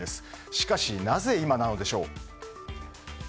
しかし、なぜ今なのでしょう。